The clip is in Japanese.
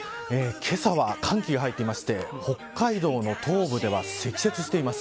けさは寒気が入っていまして北海道の東部では積雪しています。